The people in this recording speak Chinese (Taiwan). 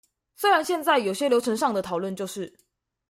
雖然現在有些流程上的討論就是